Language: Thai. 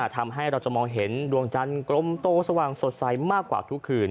ทำให้เราจะมองเห็นดวงจันทร์กลมโตสว่างสดใสมากกว่าทุกคืน